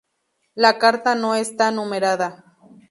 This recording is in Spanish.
La carta no está numerada.